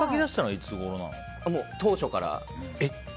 当初から。